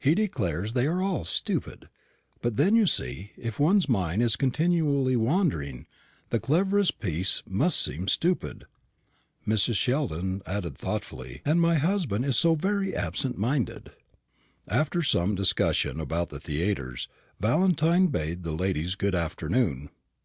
He declares they are all stupid. But then, you see, if one's mind is continually wandering, the cleverest piece must seem stupid," Mrs. Sheldon added thoughtfully; "and my husband is so very absent minded." After some further discussion about the theatres, Valentine bade the ladies good afternoon.